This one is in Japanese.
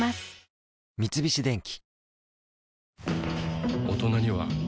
三菱電機